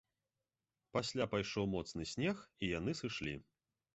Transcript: Пасля пайшоў моцны снег і яны сышлі.